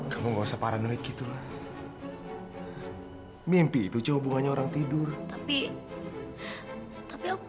kamu nggak usah paranoid gitu mimpi itu cium buahnya orang tidur tapi tapi aku